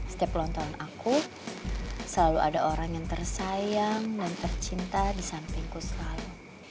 setiap lontongan aku selalu ada orang yang tersayang dan tercinta di sampingku selalu